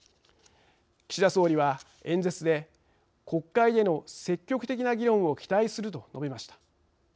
岸田総理は、演説で国会での積極的な議論を期待すると述べました。